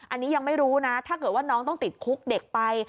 อันนี้ยังไม่รู้นะถ้าเกิดว่าน้องต้องติดคุกเด็กไป